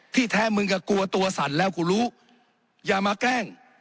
แท้มึงก็กลัวตัวสั่นแล้วกูรู้อย่ามาแกล้ง